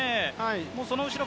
その後ろ